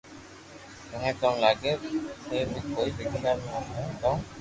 ٿني ڪاو لاگي ٿي بي ڪوئي لکيا ھي ڪاو